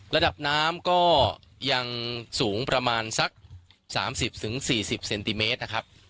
ระดับน้ำก็ยังสูงประมาณสักสามสิบถึงสี่สิบเซนติเมตรนะครับ